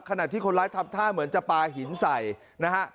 ขณะที่คนร้ายทำท่าเหมือนจะปลาหินใส่นะฮะ